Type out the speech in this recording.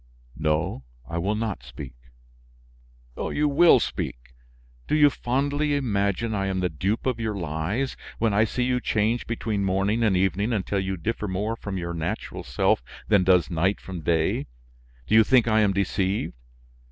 "No, I will not speak." "You will speak! Do you fondly imagine I am the dupe of your lies? When I see you change between morning and evening until you differ more from your natural self than does night from day, do you think I am deceived?